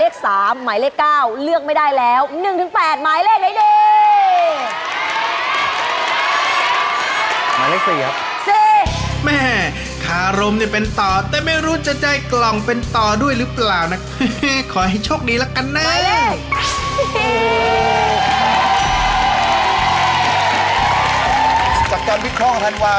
ขอขุนฟูนเลยดีกว่า